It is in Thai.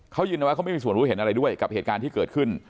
เขายืนยันว่าเขาไม่มีส่วนรู้เห็นอะไรด้วยกับเหตุการณ์ที่เกิดขึ้น